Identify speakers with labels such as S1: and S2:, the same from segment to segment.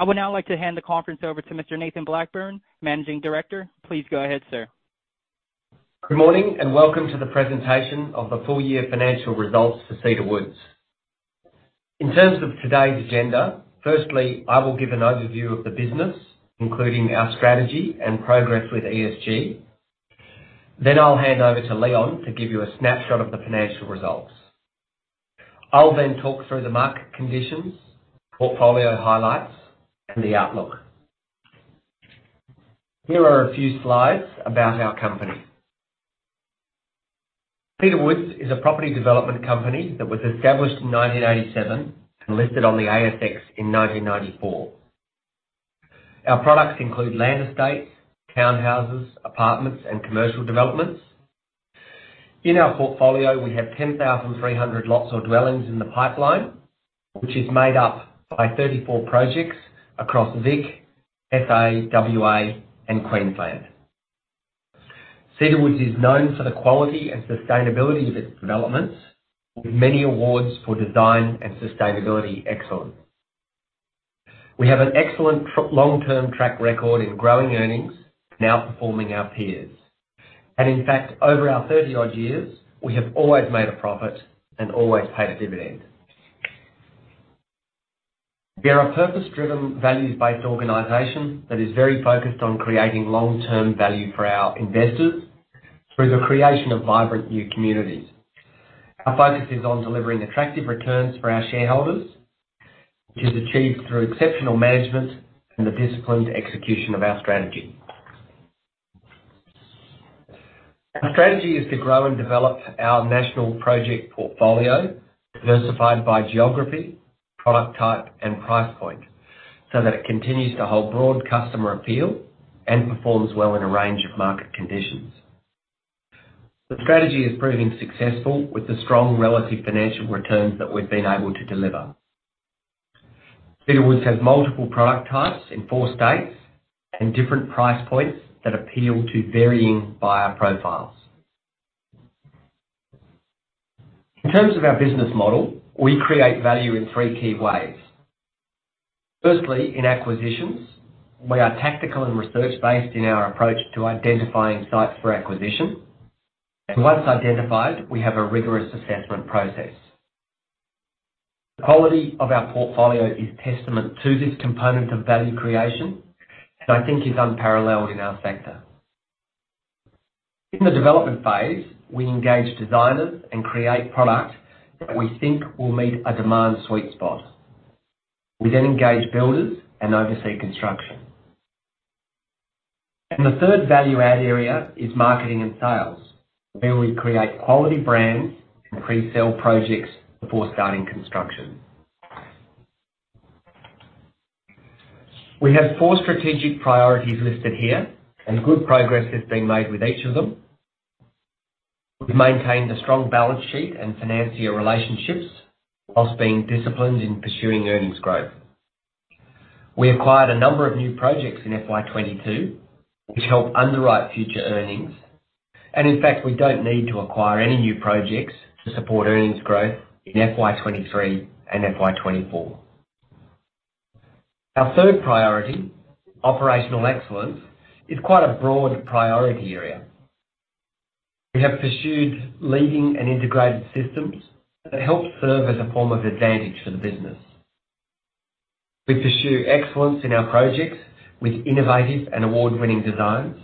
S1: I would now like to hand the conference over to Mr. Nathan Blackburne, Managing Director. Please go ahead, sir.
S2: Good morning, and welcome to the presentation of the full year financial results for Cedar Woods. In terms of today's agenda, firstly, I will give an overview of the business, including our strategy and progress with ESG. I'll hand over to Leon to give you a snapshot of the financial results. I'll then talk through the market conditions, portfolio highlights, and the outlook. Here are a few slides about our company. Cedar Woods is a property development company that was established in 1987 and listed on the ASX in 1994. Our products include land estates, townhouses, apartments, and commercial developments. In our portfolio, we have 10,300 lots or dwellings in the pipeline, which is made up by 34 projects across Vic, SA, WA, and Queensland. Cedar Woods is known for the quality and sustainability of its developments, with many awards for design and sustainability excellence. We have an excellent long-term track record in growing earnings, now outperforming our peers. In fact, over our 30-odd years, we have always made a profit and always paid a dividend. We are a purpose-driven, values-based organization that is very focused on creating long-term value for our investors through the creation of vibrant new communities. Our focus is on delivering attractive returns for our shareholders, which is achieved through exceptional management and the disciplined execution of our strategy. Our strategy is to grow and develop our national project portfolio, diversified by geography, product type, and price point, so that it continues to hold broad customer appeal and performs well in a range of market conditions. The strategy is proving successful with the strong relative financial returns that we've been able to deliver. Cedar Woods has multiple product types in four states and different price points that appeal to varying buyer profiles. In terms of our business model, we create value in three key ways. Firstly, in acquisitions, we are tactical and research-based in our approach to identifying sites for acquisition. Once identified, we have a rigorous assessment process. The quality of our portfolio is testament to this component of value creation, and I think is unparalleled in our sector. In the development phase, we engage designers and create product that we think will meet a demand sweet spot. We then engage builders and oversee construction. The third value-add area is marketing and sales, where we create quality brands and pre-sell projects before starting construction. We have four strategic priorities listed here, and good progress has been made with each of them. We've maintained a strong balance sheet and financier relationships while being disciplined in pursuing earnings growth. We acquired a number of new projects in FY 2022, which help underwrite future earnings. In fact, we don't need to acquire any new projects to support earnings growth in FY 2023 and FY 2024. Our third priority, operational excellence, is quite a broad priority area. We have pursued leading and integrated systems that help serve as a form of advantage for the business. We pursue excellence in our projects with innovative and award-winning designs.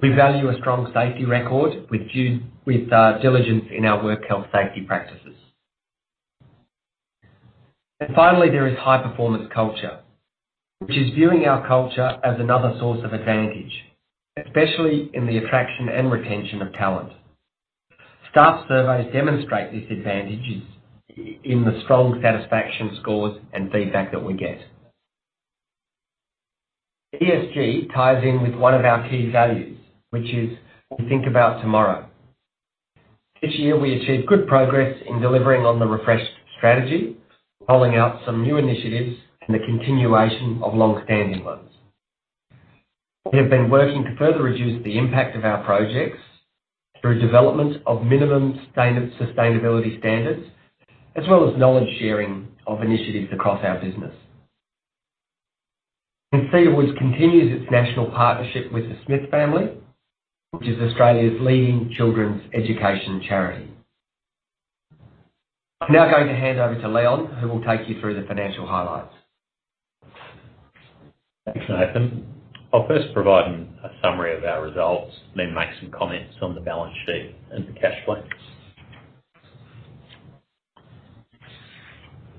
S2: We value a strong safety record with due diligence in our work health and safety practices. Finally, there is high-performance culture, which is viewing our culture as another source of advantage, especially in the attraction and retention of talent. Staff surveys demonstrate these advantages in the strong satisfaction scores and feedback that we get. ESG ties in with one of our key values, which is, we think about tomorrow. This year, we achieved good progress in delivering on the refreshed strategy, rolling out some new initiatives and the continuation of long-standing ones. We have been working to further reduce the impact of our projects through development of minimum sustainability standards, as well as knowledge sharing of initiatives across our business. Cedar Woods continues its national partnership with The Smith Family, which is Australia's leading children's education charity. I'm now going to hand over to Leon, who will take you through the financial highlights.
S3: Thanks, Nathan. I'll first provide a summary of our results, then make some comments on the balance sheet and the cash flow.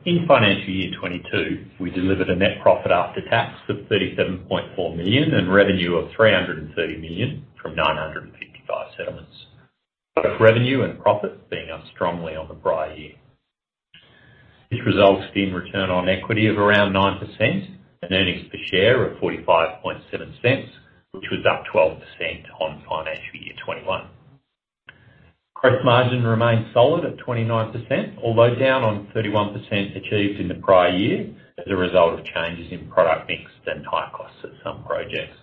S3: In financial year 2022, we delivered a net profit after tax of 37.4 million and revenue of 330 million from 955 settlements. Both revenue and profits being up strongly on the prior year. This results in return on equity of around 9% and earnings per share of 0.457, which was up 12% on financial year 2021. Gross margin remained solid at 29%, although down on 31% achieved in the prior year as a result of changes in product mix and high costs at some projects.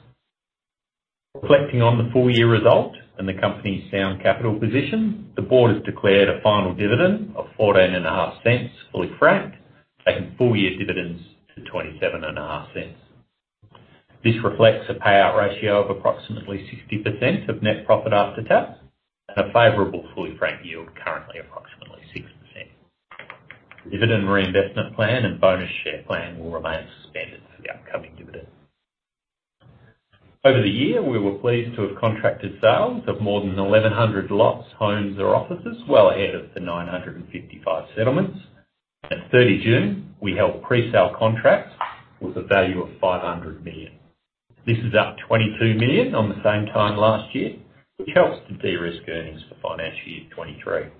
S3: Reflecting on the full year result and the company's sound capital position, the board has declared a final dividend of 0.145, fully franked, taking full year dividends to 0.275. This reflects a payout ratio of approximately 60% of net profit after tax and a favorable fully franked yield, currently approximately 6%. Dividend reinvestment plan and bonus share plan will remain suspended for the upcoming dividend. Over the year, we were pleased to have contracted sales of more than 1,100 lots, homes or offices, well ahead of the 955 settlements. At 30 June, we held pre-sale contracts with a value of 500 million. This is up 22 million on the same time last year, which helps to de-risk earnings for financial year 2023.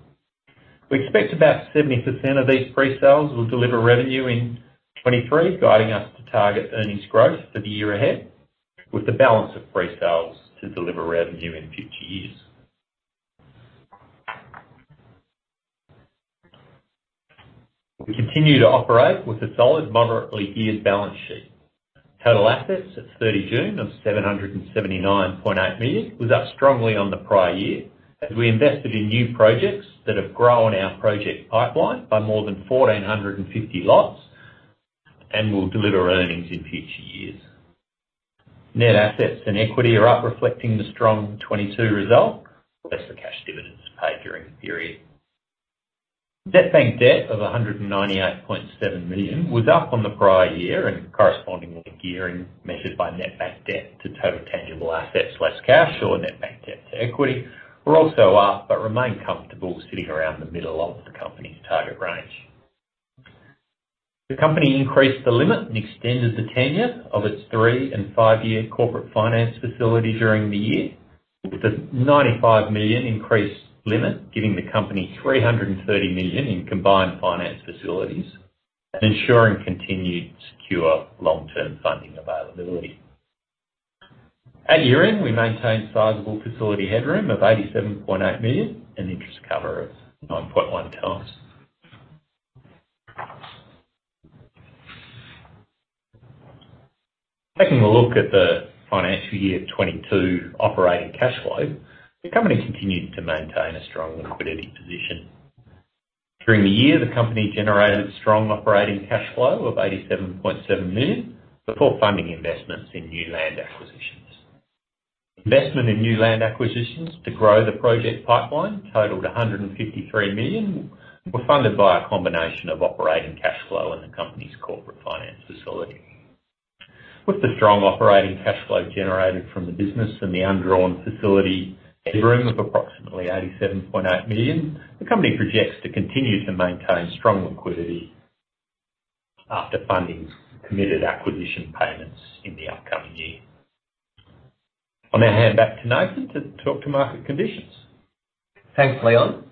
S3: We expect about 70% of these pre-sales will deliver revenue in 2023, guiding us to target earnings growth for the year ahead, with the balance of pre-sales to deliver revenue in future years. We continue to operate with a solid, moderately geared balance sheet. Total assets at 30 June of 779.8 million was up strongly on the prior year as we invested in new projects that have grown our project pipeline by more than 1,450 lots and will deliver earnings in future years. Net assets and equity are up reflecting the strong 2022 result, less the cash dividends paid during the period. Net bank debt of 198.7 million was up on the prior year, and correspondingly, gearing measured by net bank debt to total tangible assets less cash or net bank debt to equity were also up, but remain comfortable sitting around the middle of the company's target range. The company increased the limit and extended the tenure of its three and five year corporate finance facility during the year, with the 95 million increased limit giving the company 330 million in combined finance facilities and ensuring continued secure long-term funding availability. At year-end, we maintained sizable facility headroom of 87.8 million and interest cover of 9.1x. Taking a look at the FY 2022 operating cash flow, the company continued to maintain a strong liquidity position. During the year, the company generated strong operating cash flow of 87.7 million before funding investments in new land acquisitions. Investment in new land acquisitions to grow the project pipeline totaled 153 million, were funded by a combination of operating cash flow and the company's corporate finance facility. With the strong operating cash flow generated from the business and the undrawn facility headroom of approximately 87.8 million, the company projects to continue to maintain strong liquidity after funding committed acquisition payments in the upcoming year. I'll now hand back to Nathan to talk to market conditions.
S2: Thanks, Leon.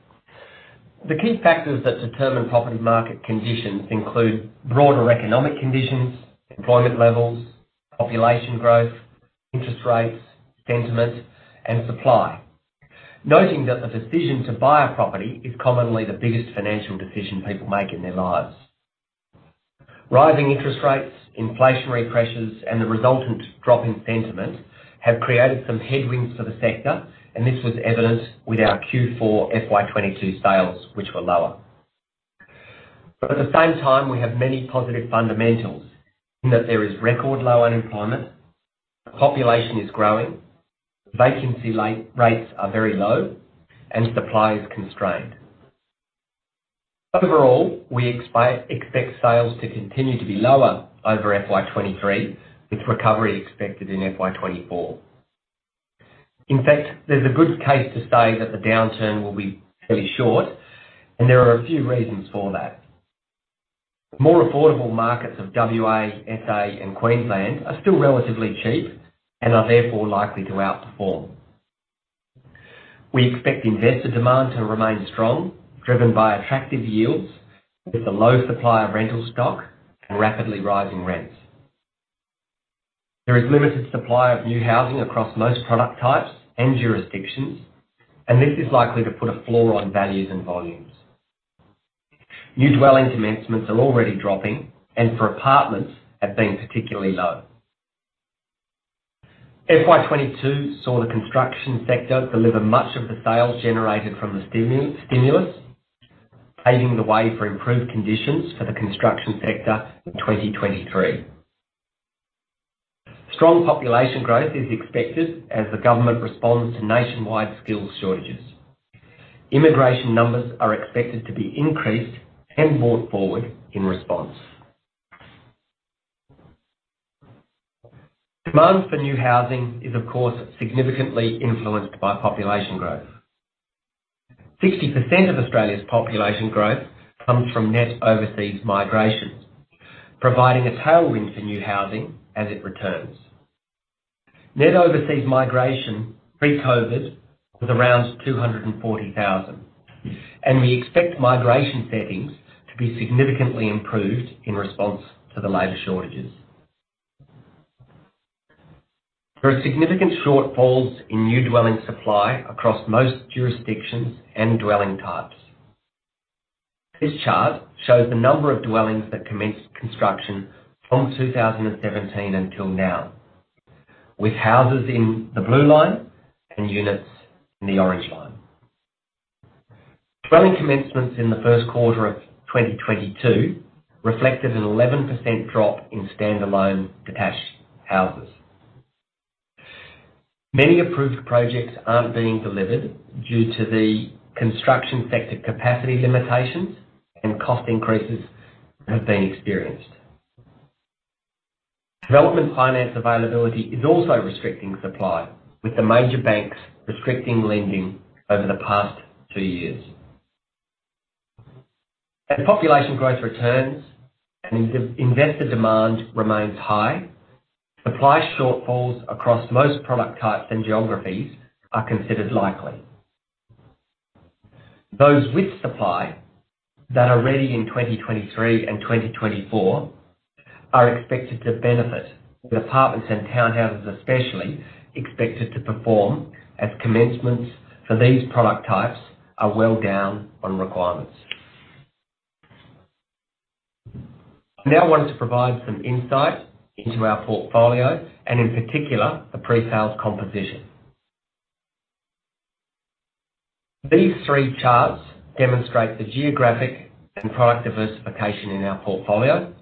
S2: The key factors that determine property market conditions include broader economic conditions, employment levels, population growth, interest rates, sentiment, and supply. Noting that the decision to buy a property is commonly the biggest financial decision people make in their lives. Rising interest rates, inflationary pressures, and the resultant drop in sentiment have created some headwinds for the sector, and this was evident with our Q4 FY 2022 sales, which were lower. At the same time, we have many positive fundamentals in that there is record low unemployment, our population is growing, vacancy rates are very low, and supply is constrained. Overall, we expect sales to continue to be lower over FY 2023, with recovery expected in FY 2024. In fact, there's a good case to say that the downturn will be fairly short, and there are a few reasons for that. More affordable markets of WA, SA, and Queensland are still relatively cheap and are therefore likely to outperform. We expect investor demand to remain strong, driven by attractive yields with the low supply of rental stock and rapidly rising rents. There is limited supply of new housing across most product types and jurisdictions, and this is likely to put a floor on values and volumes. New dwelling commencements are already dropping, and for apartments have been particularly low. FY 2022 saw the construction sector deliver much of the sales generated from the stimulus, paving the way for improved conditions for the construction sector in 2023. Strong population growth is expected as the government responds to nationwide skills shortages. Immigration numbers are expected to be increased and brought forward in response. Demand for new housing is, of course, significantly influenced by population growth. 60% of Australia's population growth comes from Net Overseas Migration, providing a tailwind for new housing as it returns. Net Overseas Migration pre-COVID was around 240,000, and we expect migration settings to be significantly improved in response to the labor shortages. There are significant shortfalls in new dwelling supply across most jurisdictions and dwelling types. This chart shows the number of dwellings that commenced construction from 2017 until now, with houses in the blue line and units in the orange line. Dwelling commencements in the first quarter of 2022 reflected an 11% drop in standalone detached houses. Many approved projects aren't being delivered due to the construction sector capacity limitations and cost increases that have been experienced. Development finance availability is also restricting supply, with the major banks restricting lending over the past two years. As population growth returns and investor demand remains high, supply shortfalls across most product types and geographies are considered likely. Those with supply that are ready in 2023 and 2024 are expected to benefit, with apartments and townhouses especially expected to perform, as commencements for these product types are well down on requirements. I now want to provide some insight into our portfolio and in particular, the presales composition. These three charts demonstrate the geographic and product diversification in our portfolio.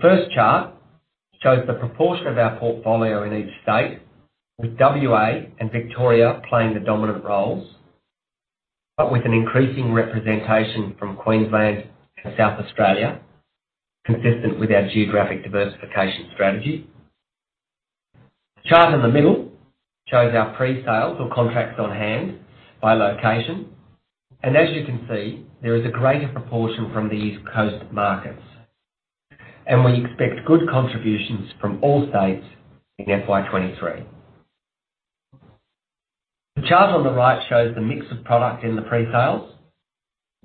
S2: First chart shows the proportion of our portfolio in each state, with WA and Victoria playing the dominant roles, but with an increasing representation from Queensland and South Australia, consistent with our geographic diversification strategy. The chart in the middle shows our presales or contracts on hand by location. As you can see, there is a greater proportion from the East Coast markets, and we expect good contributions from all states in FY 2023. The chart on the right shows the mix of product in the presales,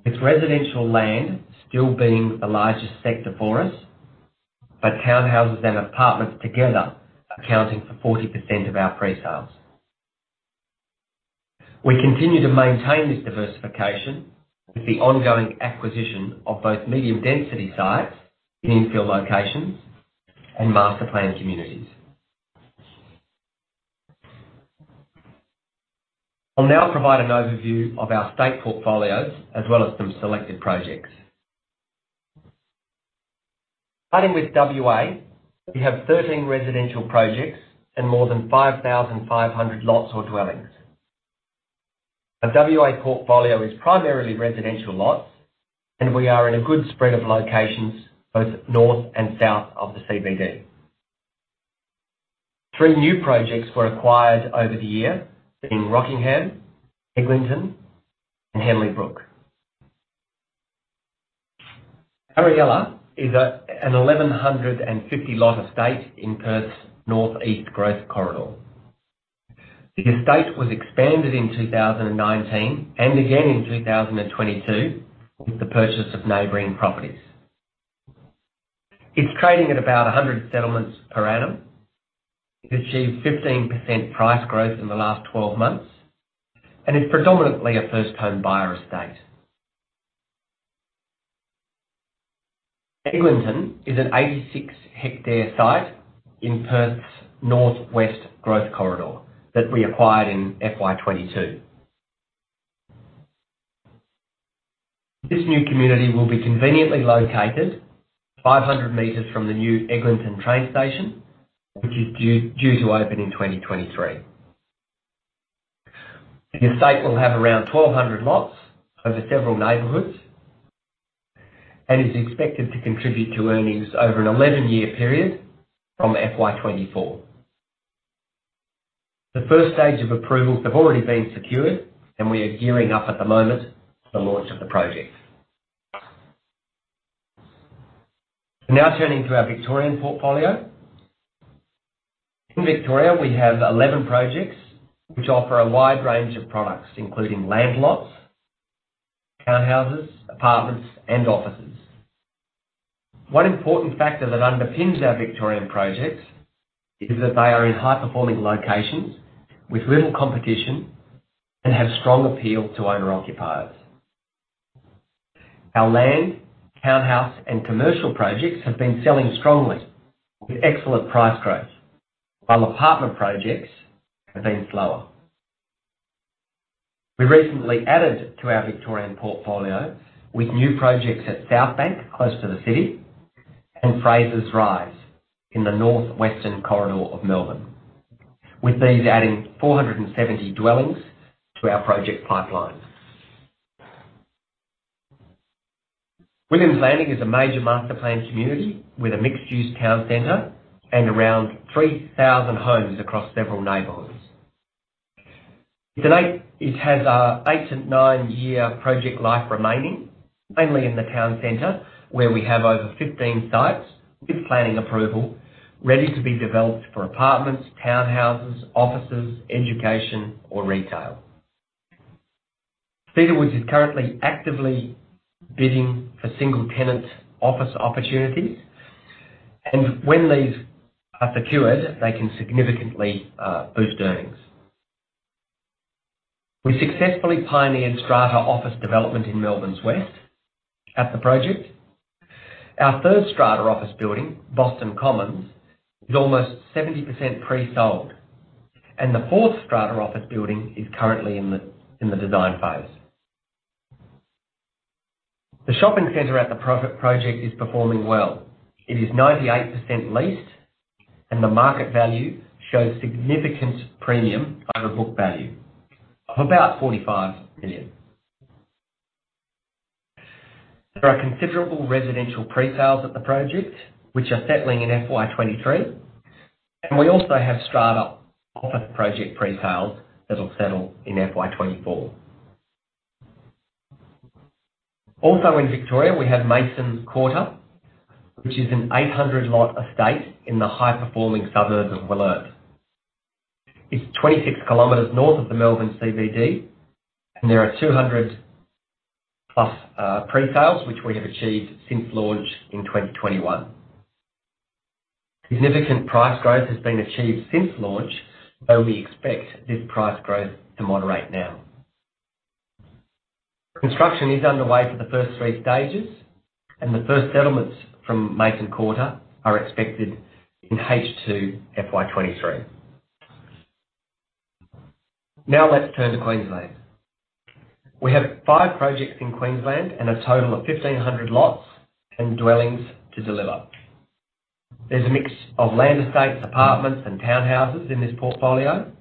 S2: with residential land still being the largest sector for us, but townhouses and apartments together accounting for 40% of our presales. We continue to maintain this diversification with the ongoing acquisition of both medium density sites, infill locations and master planned communities. I'll now provide an overview of our state portfolios as well as some selected projects. Starting with WA, we have 13 residential projects and more than 5,500 lots or dwellings. Our WA portfolio is primarily residential lots, and we are in a good spread of locations both north and south of the CBD. Three new projects were acquired over the year in Rockingham, Eglinton, and Henley Brook. Ariella is an 1,150 lot estate in Perth's northeast growth corridor. The estate was expanded in 2019 and again in 2022 with the purchase of neighboring properties. It's trading at about 100 settlements per annum. It achieved 15% price growth in the last twelve months and is predominantly a first home buyer estate. Eglinton is an 86 hectare site in Perth's northwest growth corridor that we acquired in FY 2022. This new community will be conveniently located 500 meters from the new Eglinton train station, which is due to open in 2023. The estate will have around 1,200 lots over several neighborhoods and is expected to contribute to earnings over an 11-year period from FY 2024. The first stage of approvals have already been secured and we are gearing up at the moment for launch of the project. Now turning to our Victorian portfolio. In Victoria, we have 11 projects which offer a wide range of products including land lots, townhouses, apartments and offices. One important factor that underpins our Victorian projects is that they are in high-performing locations with little competition and have strong appeal to owner/occupiers. Our land, townhouse, and commercial projects have been selling strongly with excellent price growth. Our apartment projects have been slower. We recently added to our Victorian portfolio with new projects at Southbank, close to the city, and Fraser Rise in the northwestern corridor of Melbourne. With these adding 470 dwellings to our project pipeline. Williams Landing is a major master-planned community with a mixed-use town center and around 3,000 homes across several neighborhoods. To date, it has an eight-nine year project life remaining, mainly in the town center, where we have over 15 sites with planning approval, ready to be developed for apartments, townhouses, offices, education or retail. Cedar Woods is currently actively bidding for single tenant office opportunities. When these are secured, they can significantly boost earnings. We successfully pioneered strata office development in Melbourne's west at the project. Our third strata office building, Boston Commons, is almost 70% pre-sold, and the fourth strata office building is currently in the design phase. The shopping center at the project is performing well. It is 98% leased, and the market value shows significant premium over book value of about 45 million. There are considerable residential pre-sales at the project, which are settling in FY 2023, and we also have strata office project pre-sales that will settle in FY 2024. Also in Victoria, we have Mason Quarter, which is an 800 lot estate in the high-performing suburb of Wollert. It's 26 km north of the Melbourne CBD, and there are 200+ pre-sales which we have achieved since launch in 2021. Significant price growth has been achieved since launch, though we expect this price growth to moderate now. Construction is underway for the first three stages, and the first settlements from Mason Quarter are expected in H2 FY 2023. Now let's turn to Queensland. We have five projects in Queensland and a total of 1,500 lots and dwellings to deliver. There's a mix of land estates, apartments and townhouses in this portfolio.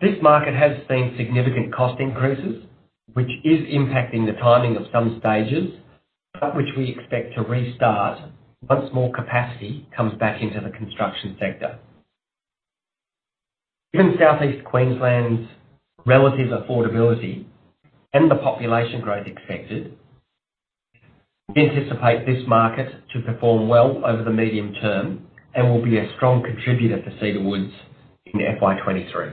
S2: This market has seen significant cost increases, which is impacting the timing of some stages, but which we expect to restart once more capacity comes back into the construction sector. Given Southeast Queensland's relative affordability and the population growth expected, we anticipate this market to perform well over the medium term and will be a strong contributor to Cedar Woods in FY 2023.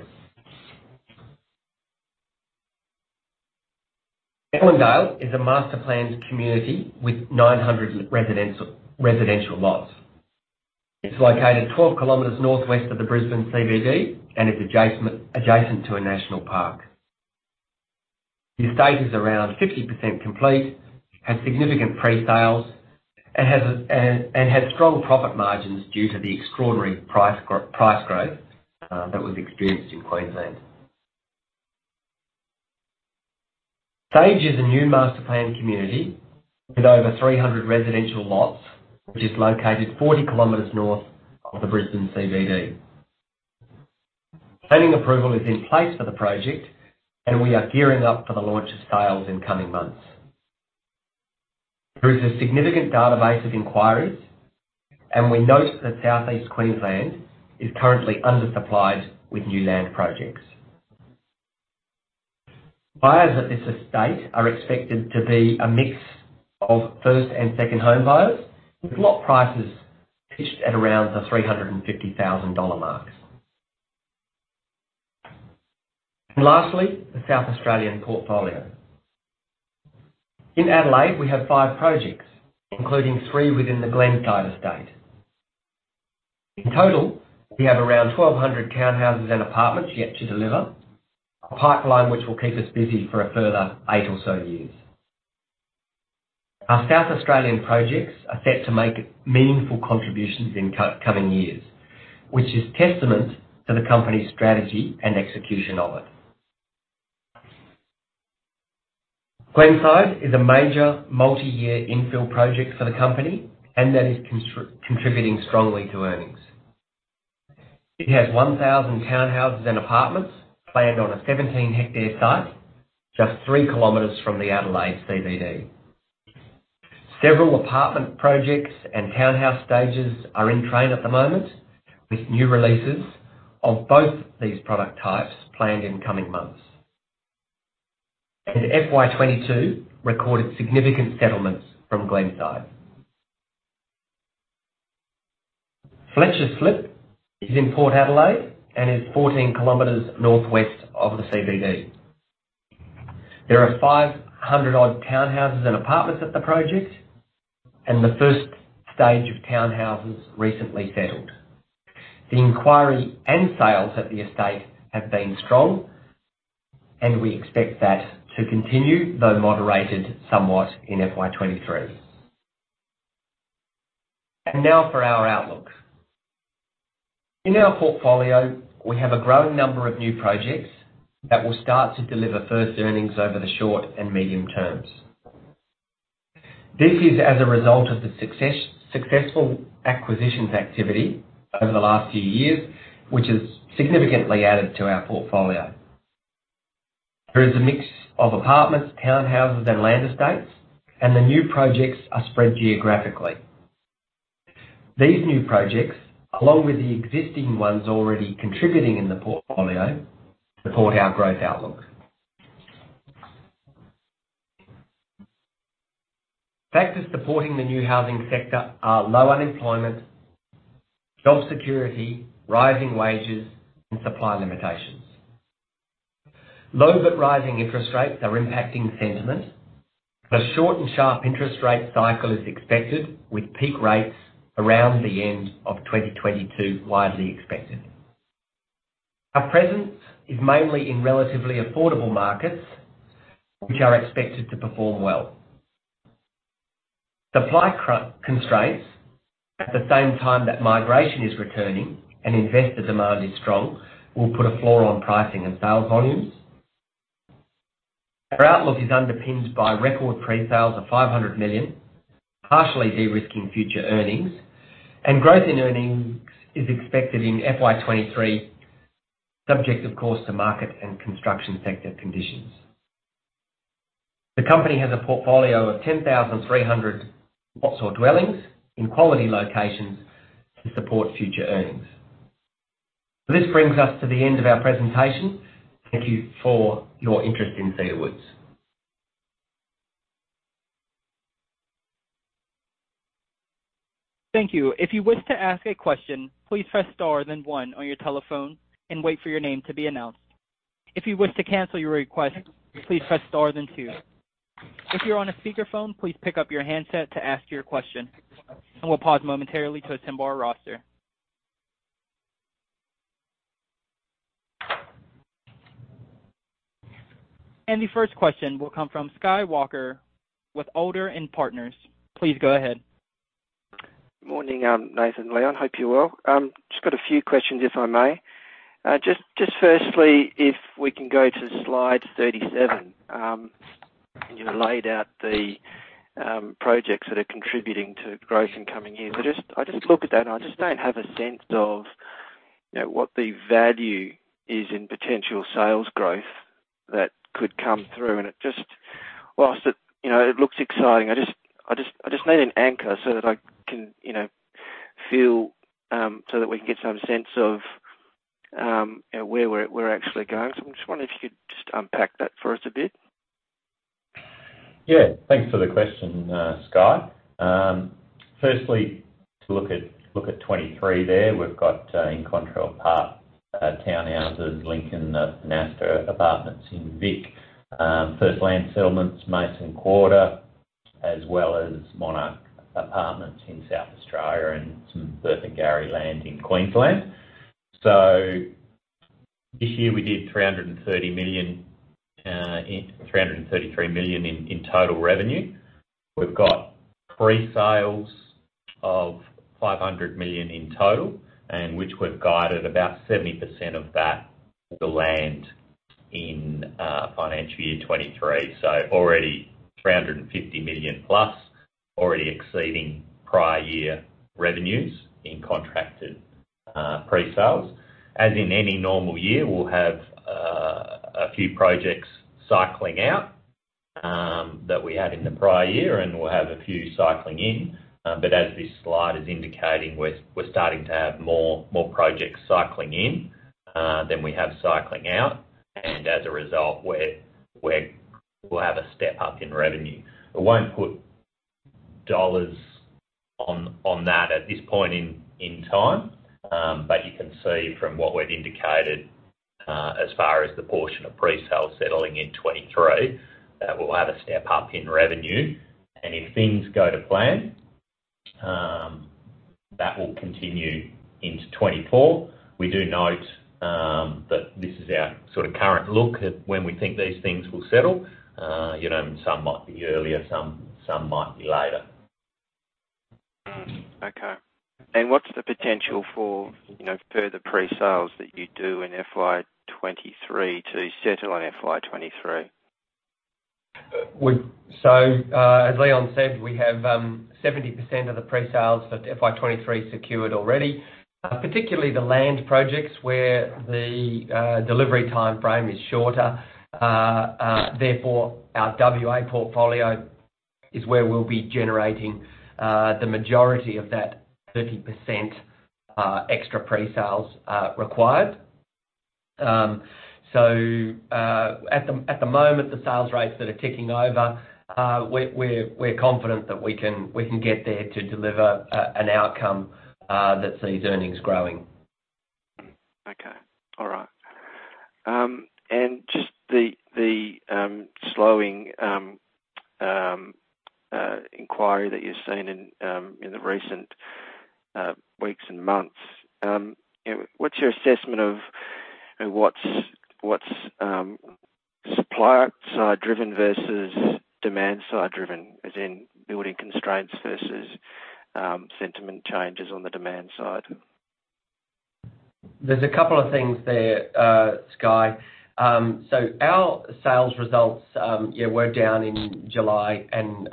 S2: Avondale is a master-planned community with 900 residential lots. It's located 12 km northwest of the Brisbane CBD and is adjacent to a national park. The estate is around 50% complete, has significant pre-sales and has strong profit margins due to the extraordinary price growth that was experienced in Queensland. Sage is a new master-planned community with over 300 residential lots, which is located 40 km north of the Brisbane CBD. Planning approval is in place for the project and we are gearing up for the launch of sales in coming months. There is a significant database of inquiries and we note that Southeast Queensland is currently undersupplied with new land projects. Buyers at this estate are expected to be a mix of first and second homebuyers, with lot prices pitched at around the 350,000 dollar mark. Lastly, the South Australian portfolio. In Adelaide, we have five projects, including three within the Glenside estate. In total, we have around 1,200 townhouses and apartments yet to deliver, a pipeline which will keep us busy for a further eight or so years. Our South Australian projects are set to make meaningful contributions in coming years, which is testament to the company's strategy and execution of it. Glenside is a major multi-year infill project for the company and that is contributing strongly to earnings. It has 1,000 townhouses and apartments planned on a 17-hectare site just 3 km from the Adelaide CBD. Several apartment projects and townhouse stages are in train at the moment, with new releases of both these product types planned in coming months. In FY 2022 recorded significant settlements from Glenside. Fletcher's Slip is in Port Adelaide and is 14 km northwest of the CBD. There are 500-odd townhouses and apartments at the project, and the first stage of townhouses recently settled. The inquiry and sales at the estate have been strong, and we expect that to continue, though moderated somewhat in FY 2023. Now for our outlook. In our portfolio, we have a growing number of new projects that will start to deliver first earnings over the short and medium terms. This is as a result of the successful acquisitions activity over the last few years, which has significantly added to our portfolio. There is a mix of apartments, townhouses and land estates, and the new projects are spread geographically. These new projects, along with the existing ones already contributing in the portfolio, support our growth outlook. Factors supporting the new housing sector are low unemployment, job security, rising wages, and supply limitations. Low but rising interest rates are impacting sentiment. A short and sharp interest rate cycle is expected, with peak rates around the end of 2022 widely expected. Our presence is mainly in relatively affordable markets, which are expected to perform well. Supply constraints at the same time that migration is returning and investor demand is strong will put a floor on pricing and sales volumes. Our outlook is underpinned by record pre-sales of 500 million, partially de-risking future earnings, and growth in earnings is expected in FY 2023, subject of course, to market and construction sector conditions. The company has a portfolio of 10,300 lots or dwellings in quality locations to support future earnings. This brings us to the end of our presentation. Thank you for your interest in Cedar Woods.
S1: Thank you. If you wish to ask a question, please press Star then one on your telephone and wait for your name to be announced. If you wish to cancel your request, please press Star then two. If you're on a speakerphone, please pick up your handset to ask your question. We'll pause momentarily to assemble our roster. The first question will come from Sky Walker with Alder and Partners. Please go ahead.
S4: Morning, Nathan and Leon. Hope you're well. Just got a few questions, if I may. Just firstly, if we can go to slide 37, and you laid out the projects that are contributing to growth in coming years. I just look at that and I just don't have a sense of, you know, what the value is in potential sales growth that could come through. It just, whilst it, you know, it looks exciting, I just need an anchor so that I can, you know, feel, so that we can get some sense of where we're actually going. I'm just wondering if you could just unpack that for us a bit.
S3: Yeah. Thanks for the question, Sky. Firstly, to look at 2023 there, we've got in Central Park townhouses, Lincoln, [Nasda Apartments] in Vic, Fletcher's Slip, Mason Quarter, as well as Monarch Apartments in South Australia and some further Gary Land in Queensland. This year we did 333 million in total revenue. We've got pre-sales of 500 million in total, which we've guided about 70% of that, the land in financial year 2023. Already 350 million+, already exceeding prior year revenues in contracted pre-sales. As in any normal year, we'll have a few projects cycling out that we had in the prior year, and we'll have a few cycling in. As this slide is indicating, we're starting to have more projects cycling in than we have cycling out. As a result, we'll have a step-up in revenue. I won't put dollars on that at this point in time. You can see from what we've indicated as far as the portion of pre-sale settling in 2023, that we'll have a step-up in revenue. If things go to plan, that will continue into 2024. We do note that this is our sort of current look at when we think these things will settle. You know, some might be earlier, some might be later.
S4: Okay. What's the potential for, you know, further pre-sales that you do in FY 2023 to settle in FY 2023?
S2: As Leon said, we have 70% of the pre-sales for FY 2023 secured already, particularly the land projects where the delivery timeframe is shorter. Therefore, our WA portfolio is where we'll be generating the majority of that 30% extra pre-sales required. At the moment, the sales rates that are ticking over, we're confident that we can get there to deliver an outcome that sees earnings growing.
S4: Okay. All right. Just the slowing inquiry that you've seen in the recent weeks and months, what's your assessment of what's supply side driven versus demand side driven, as in building constraints versus sentiment changes on the demand side?
S2: There's a couple of things there, Sky. Our sales results, yeah, we're down in July- and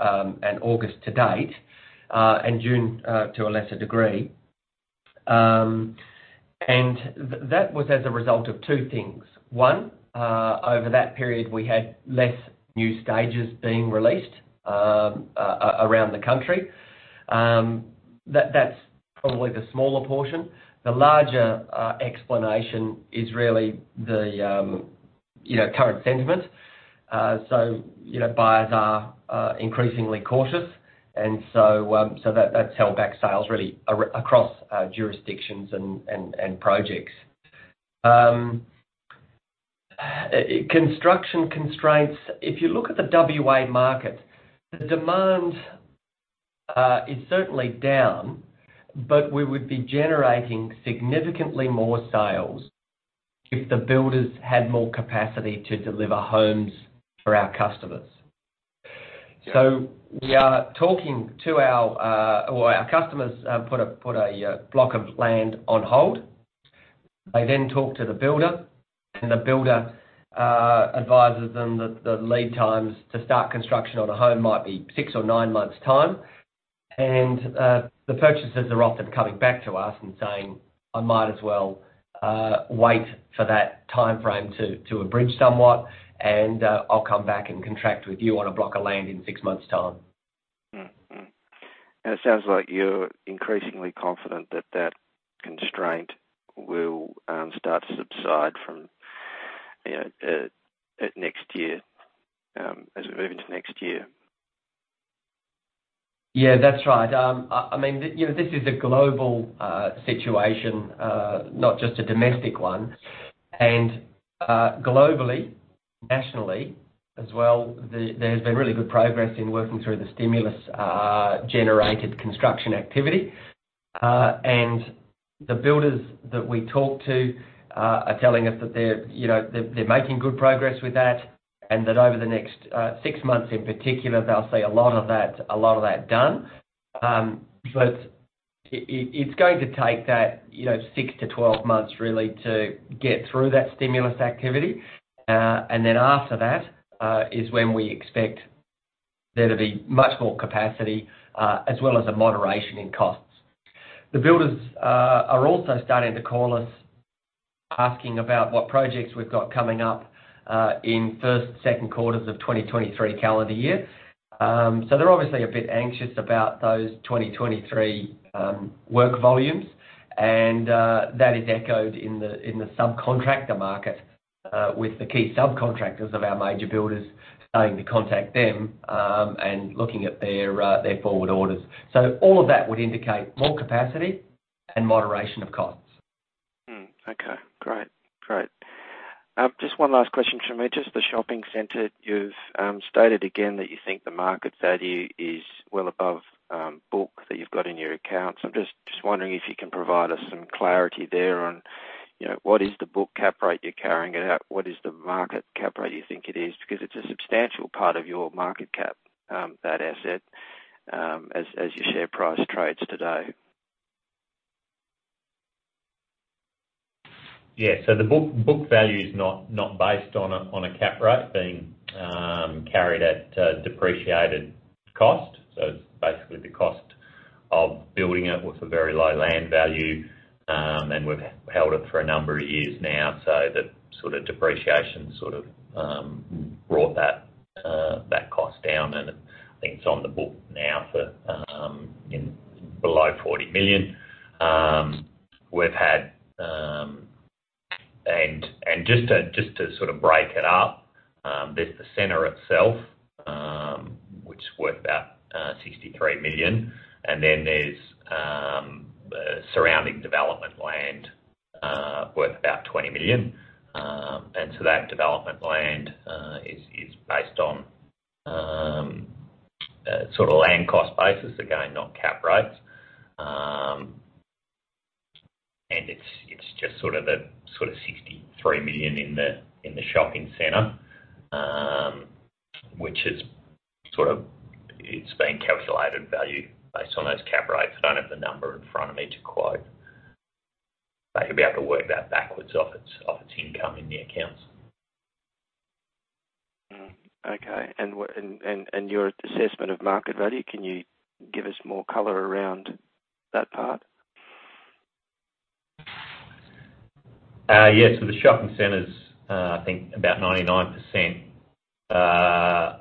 S2: August-to-date and June to a lesser degree. That was as a result of two things. One, over that period, we had less new stages being released around the country. That's probably the smaller portion. The larger explanation is really the current sentiment. You know, buyers are increasingly cautious. That's held back sales really across jurisdictions and projects. Construction constraints. If you look at the WA market, the demand is certainly down, but we would be generating significantly more sales if the builders had more capacity to deliver homes for our customers. Our customers put a block of land on hold. They then talk to the builder, and the builder advises them that the lead times to start construction on a home might be six or nine months' time. The purchasers are often coming back to us and saying, "I might as well wait for that timeframe to abridge somewhat and I'll come back and contract with you on a block of land in six months' time.
S4: Mm-hmm. It sounds like you're increasingly confident that constraint will start to subside from, you know, next year, as we move into next year.
S2: Yeah, that's right. I mean, you know, this is a global situation, not just a domestic one. Globally, nationally as well, there's been really good progress in working through the stimulus generated construction activity. The builders that we talk to are telling us that they're, you know, making good progress with that, and that over the next six months in particular, they'll see a lot of that done. It's going to take that, you know, 6-12 months really to get through that stimulus activity. After that is when we expect there to be much more capacity as well as a moderation in costs. The builders are also starting to call us asking about what projects we've got coming up in first and second quarters of 2023 calendar year. They're obviously a bit anxious about those 2023 work volumes, and that is echoed in the subcontractor market with the key subcontractors of our major builders starting to contact them and looking at their forward orders. All of that would indicate more capacity and moderation of costs.
S4: Okay. Great. Just one last question from me. Just the shopping center, you've stated again that you think the market value is well above book that you've got in your accounts. I'm just wondering if you can provide us some clarity there on, you know, what is the book cap rate you're carrying it out? What is the market cap rate you think it is? Because it's a substantial part of your market cap, that asset, as your share price trades today.
S3: The book value is not based on a cap rate being carried at depreciated cost. It's basically the cost of building it with a very low land value. We've held it for a number of years now, so the sort of depreciation brought that cost down. I think it's on the book now for in below AUD 40 million. Just to sort of break it up, there's the center itself, which is worth about 63 million, and then there's surrounding development land worth about 20 million. That development land is based on a sort of land cost basis, again, not cap rates. It's just sort of 63 million in the shopping center, which is sort of it's been calculated value based on those cap rates. I don't have the number in front of me to quote. You'll be able to work that backwards off its income in the accounts.
S4: Okay. Your assessment of market value, can you give us more color around that part?
S3: Yes. The shopping center's I think about 99%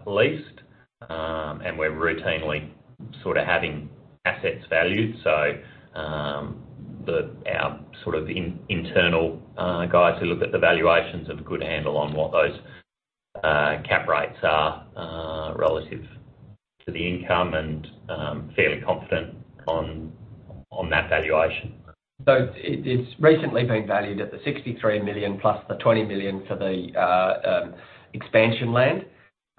S3: leased. We're routinely sort of having assets valued. Our sort of internal guys who look at the valuations have a good handle on what those cap rates are relative to the income and fairly confident on that valuation.
S2: It's recently been valued at 63 million+ the 20 million for the expansion land.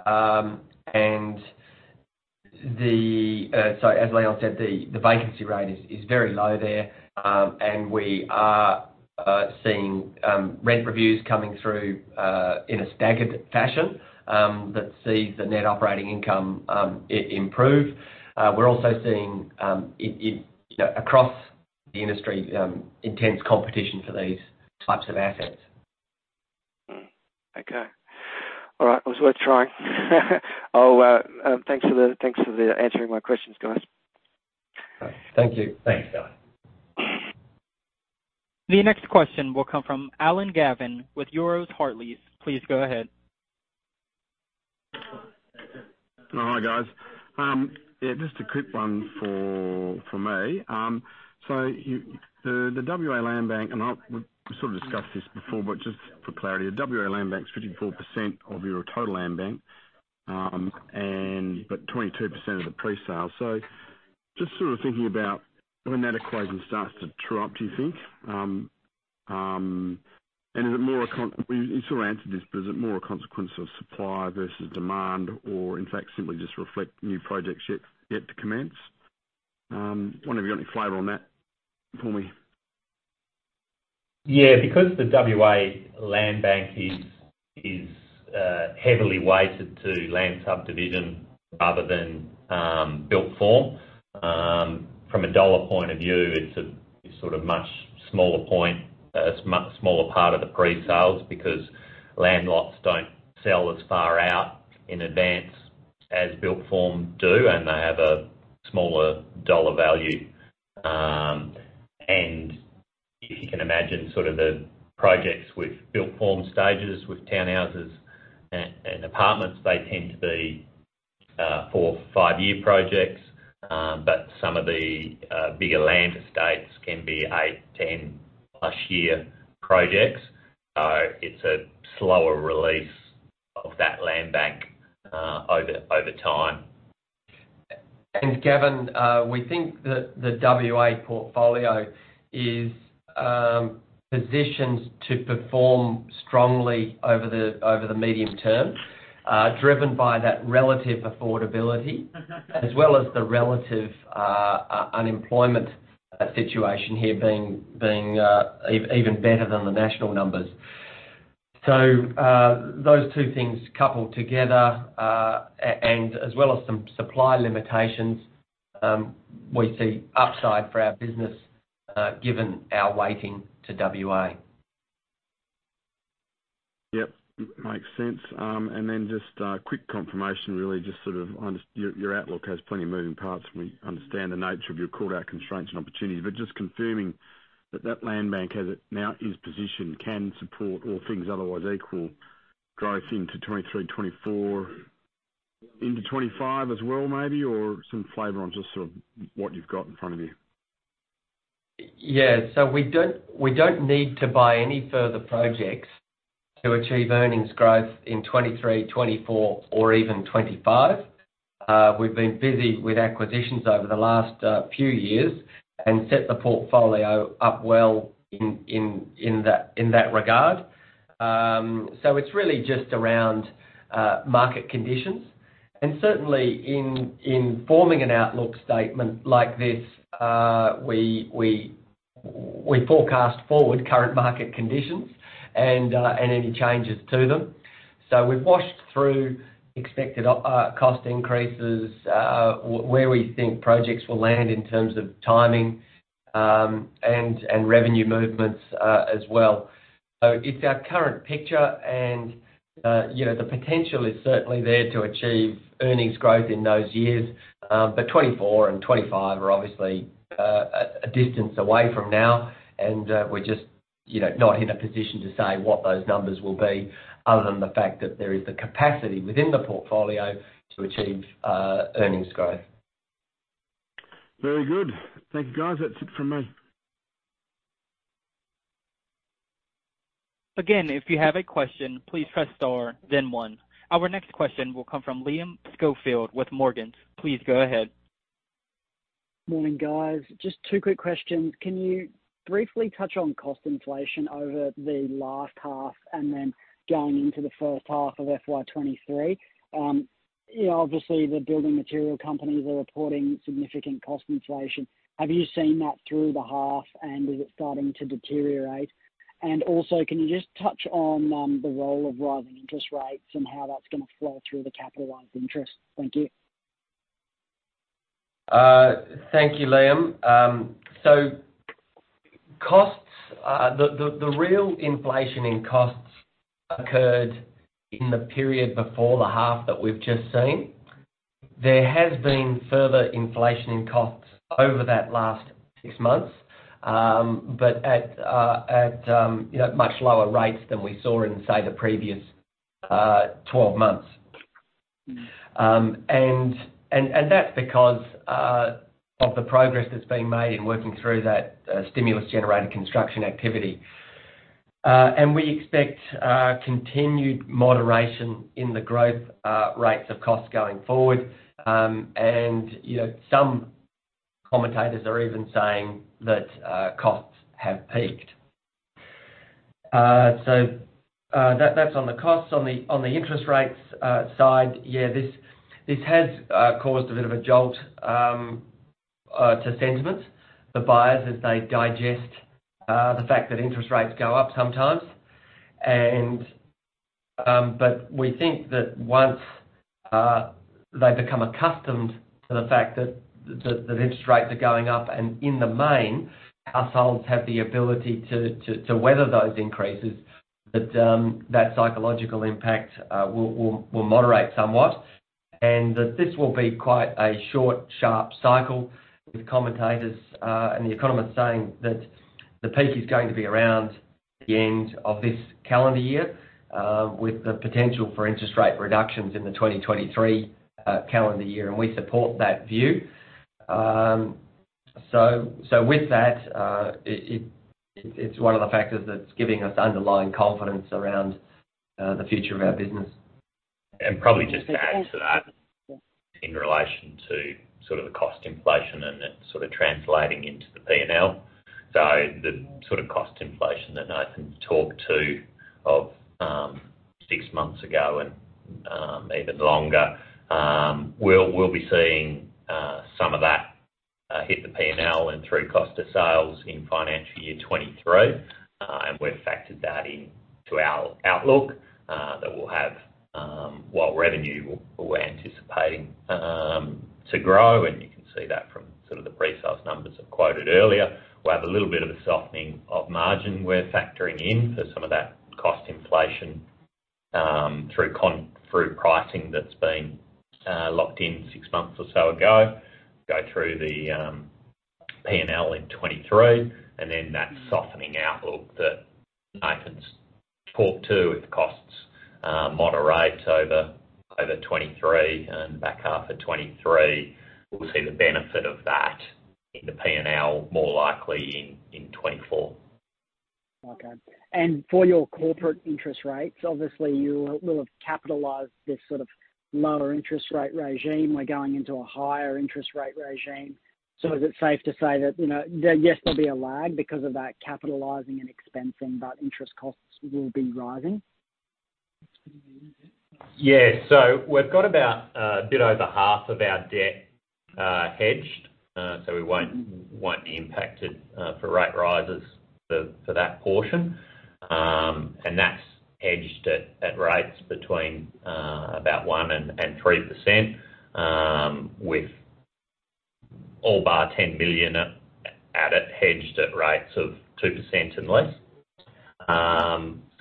S2: As Leon said, the vacancy rate is very low there. We are seeing rent reviews coming through in a staggered fashion that sees the net operating income improve. We're also seeing it, you know, across the industry, intense competition for these types of assets.
S4: Okay. All right. It was worth trying. Thanks for answering my questions, guys.
S2: Thank you.
S3: Thanks, Sky.
S1: The next question will come from Gavin Allen with Euroz Hartleys. Please go ahead.
S5: Oh, hi guys. Yeah, just a quick one for me. The WA Land Bank, we sort of discussed this before, but just for clarity, the WA Land Bank is 54% of your total land bank, but 22% of the pre-sale. Just sort of thinking about when that equation starts to true up, do you think? You sort of answered this, but is it more a consequence of supply versus demand or in fact simply just reflect new projects yet to commence? I wonder if you've got any flavor on that for me.
S3: Yeah. Because the WA Land Bank is heavily weighted to land subdivision rather than built form, from a dollar point of view, it's sort of a much smaller part of the pre-sales because land lots don't sell as far out in advance as built form do, and they have a smaller dollar value. If you can imagine sort of the projects with built form stages with townhouses and apartments, they tend to be four, five year projects. But some of the bigger land estates can be eight, 10+ year projects. It's a slower release of that land bank over time.
S2: Gavin, we think that the WA portfolio is positioned to perform strongly over the medium term, driven by that relative affordability as well as the relative unemployment situation here being even better than the national numbers. Those two things coupled together, and as well as some supply limitations, we see upside for our business, given our weighting to WA.
S5: Yep. Makes sense. Then just a quick confirmation really just sort of your outlook has plenty of moving parts, and we understand the nature of your core constraints and opportunities, but just confirming that that land bank as it now is positioned can support all things otherwise equal growth into 2023, 2024 into 2025 as well, maybe, or some flavor on just sort of what you've got in front of you.
S2: Yeah. We don't need to buy any further projects to achieve earnings growth in 2023, 2024 or even 2025. We've been busy with acquisitions over the last few years and set the portfolio up well in that regard. It's really just around market conditions. Certainly in forming an outlook statement like this, we forecast forward current market conditions and any changes to them. We've washed through expected cost increases where we think projects will land in terms of timing, and revenue movements as well. It's our current picture and you know, the potential is certainly there to achieve earnings growth in those years. 2024 and 2025 are obviously a distance away from now and we're just, you know, not in a position to say what those numbers will be other than the fact that there is the capacity within the portfolio to achieve earnings growth.
S5: Very good. Thank you, guys. That's it from me.
S1: Again, if you have a question, please press star then one. Our next question will come from Liam Schofield with Morgans. Please go ahead.
S6: Morning, guys. Just two quick questions. Can you briefly touch on cost inflation over the last half and then going into the first half of FY 2023? You know, obviously the building material companies are reporting significant cost inflation. Have you seen that through the half and is it starting to deteriorate? Also can you just touch on the role of rising interest rates and how that's gonna flow through the capitalized interest? Thank you.
S2: Thank you, Liam. The real inflation in costs occurred in the period before the half that we've just seen. There has been further inflation in costs over that last six months, but at much lower rates than we saw in, say, the previous 12 months. That's because of the progress that's been made in working through that stimulus generated construction activity. We expect continued moderation in the growth rates of costs going forward. You know, some commentators are even saying that costs have peaked. That's on the costs. On the interest rates side, yeah, this has caused a bit of a jolt to sentiments. The buyers, as they digest the fact that interest rates go up sometimes. We think that once they become accustomed to the fact that the interest rates are going up and in the main households have the ability to weather those increases, that psychological impact will moderate somewhat. That this will be quite a short, sharp cycle with commentators and the economists saying that the peak is going to be around the end of this calendar year, with the potential for interest rate reductions in the 2023 calendar year. We support that view. With that, it's one of the factors that's giving us underlying confidence around the future of our business.
S3: Probably just to add to that in relation to sort of the cost inflation and it sort of translating into the P&L. The sort of cost inflation that Nathan talked about six months ago and even longer, we'll be seeing some of that hit the P&L and through cost of sales in financial year 2023. We've factored that into our outlook that we'll have while revenue we're anticipating to grow, and you can see that from sort of the pre-sales numbers I've quoted earlier. We'll have a little bit of a softening of margin we're factoring in for some of that cost inflation, through pricing that's been locked in six months or so ago, go through the P&L in 2023, and then that softening outlook that Nathan talked to if costs moderate over 2023 and back half of 2023, we'll see the benefit of that in the P&L more likely in 2024.
S6: Okay. For your corporate interest rates, obviously you will have capitalized this sort of lower interest rate regime. We're going into a higher interest rate regime. Is it safe to say that, you know, that yes, there'll be a lag because of that capitalizing and expensing, but interest costs will be rising?
S3: We've got about a bit over half of our debt hedged, so we won't be impacted for rate rises for that portion. That's hedged at rates between about 1% and 3%, with all bar 10 million at rates of 2% and less.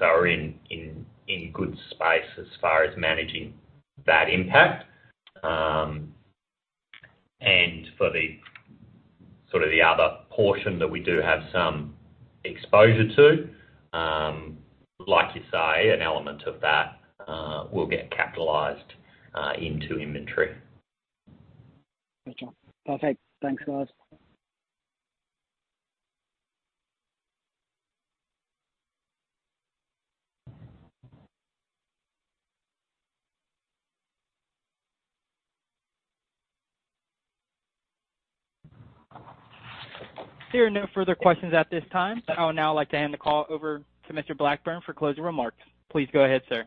S3: We're in good shape as far as managing that impact. For the sort of the other portion that we do have some exposure to, like you say, an element of that will get capitalized into inventory.
S6: Gotcha. Perfect. Thanks, guys.
S1: There are no further questions at this time. I would now like to hand the call over to Mr. Blackburne for closing remarks. Please go ahead, sir.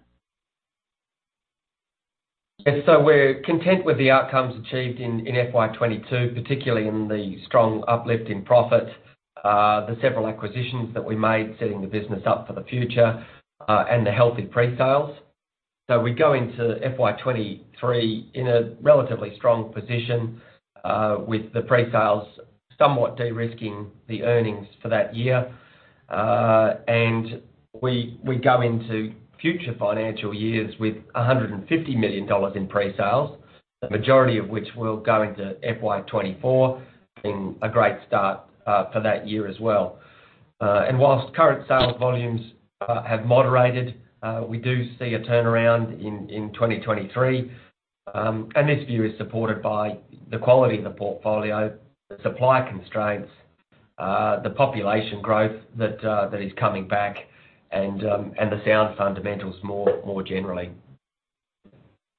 S2: We're content with the outcomes achieved in FY 2022, particularly in the strong uplift in profit, the several acquisitions that we made setting the business up for the future, and the healthy pre-sales. We go into FY 2023 in a relatively strong position, with the pre-sales somewhat de-risking the earnings for that year. We go into future financial years with 150 million dollars in pre-sales, the majority of which will go into FY 2024, being a great start for that year as well. Whilst current sales volumes have moderated, we do see a turnaround in 2023. This view is supported by the quality of the portfolio, the supply constraints, the population growth that is coming back and the sound fundamentals more generally.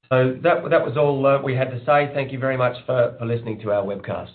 S2: That was all we had to say. Thank you very much for listening to our webcast.